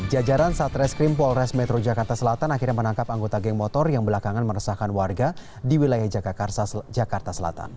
jajaran satreskrim polres metro jakarta selatan akhirnya menangkap anggota geng motor yang belakangan meresahkan warga di wilayah jakarta selatan